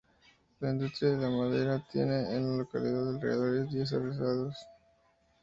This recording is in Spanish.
La industria de la madera tiene en la localidad y alrededores diez aserraderos.